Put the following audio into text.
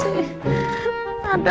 tidak ada aja